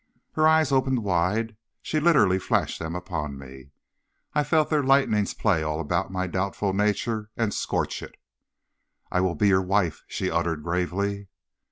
"Her eyes opened wide; she literally flashed them upon me. I felt their lightnings play all about my doubtful nature, and scorch it. "'I will be your wife,' she uttered gravely.